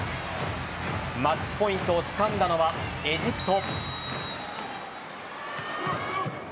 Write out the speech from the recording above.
マッチポイントをつかんだのはエジプト。